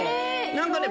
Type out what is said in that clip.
何かね